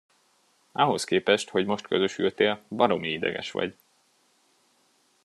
Ahhoz képest, hogy most közösültél, baromi ideges vagy.